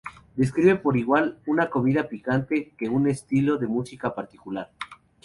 Describe por igual una comida picante que un estilo de música particular.